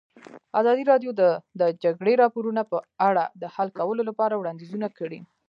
ازادي راډیو د د جګړې راپورونه په اړه د حل کولو لپاره وړاندیزونه کړي.